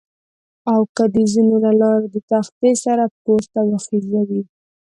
او که مې د زینو له لارې د تختې سره پورته وخېژوي.